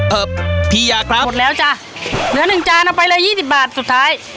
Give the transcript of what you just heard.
พี่ยาครับหมดแล้วจ้ะเหลือหนึ่งจานเอาไปเลยยี่สิบบาทสุดท้าย